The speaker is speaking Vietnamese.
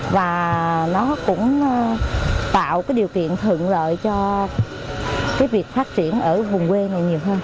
và nó cũng tạo cái điều kiện thuận lợi cho cái việc phát triển ở vùng quê này nhiều hơn